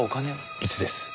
いつです？